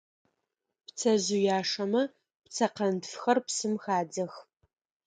Пцэжъыяшэмэ пцэкъэнтфхэр псым хадзэх.